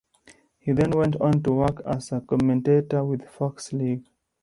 He then went on to work as a commentator with Fox League.